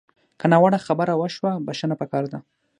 که ناوړه خبره وشوه، بښنه پکار ده